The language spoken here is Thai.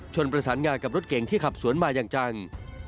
ประสานงานกับรถเก่งที่ขับสวนมาอย่างจัง